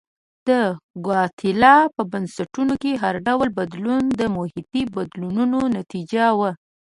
د ګواتیلا په بنسټونو کې هر ډول بدلون د محیطي بدلونونو نتیجه وه.